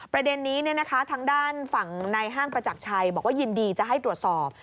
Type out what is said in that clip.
ประเด็นนี้ทางด้านฝั่งในห้างประจักรชัยบอกว่ายินดีจะให้ตรวจสอบ